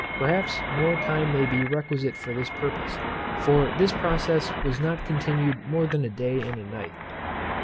Perhaps more time may be requisite for this purpose, for this process was not continued more than a day and a night.